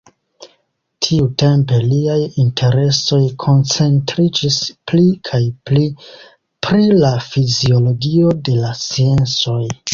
Tiutempe liaj interesoj koncentriĝis pli kaj pli pri la fiziologio de la sensoj.